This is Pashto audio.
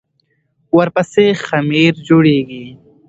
ورپسې خمیر جوړېږي.